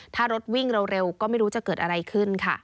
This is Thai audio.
ถ้ารถวิ่งเร็วก็ไม่รู้จะเกิดอะไรขึ้นค่ะ